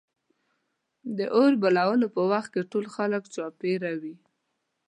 د اور بلولو په وخت کې ټول خلک چاپېره وي.